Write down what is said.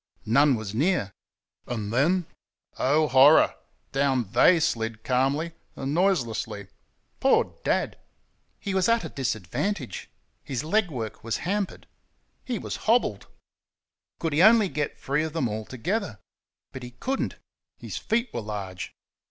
None was near. And then oh, horror! down THEY slid calmly and noiselessly. Poor Dad! He was at a disadvantage; his leg work was hampered. He was hobbled. Could he only get free of them altogether! But he could n't his feet were large.